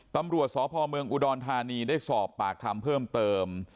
ตำรวจสพเมืองอุดรธานีได้สอบปากคำเพิ่มเติม